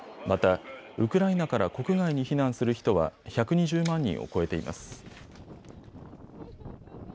また、ウクライナから国外に避難する人は１２０万人を超えています。